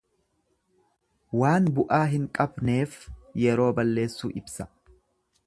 Waan bu'aa hin qabneef yeroo balleessuu ibsa.